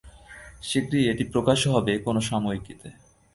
শিগগির এটি প্রকাশও হবে কোনো সাময়িকীতে।